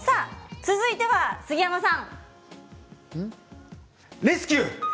続いては杉山さん。